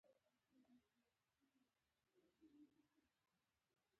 قلم د تمدن شاهدي ورکوي.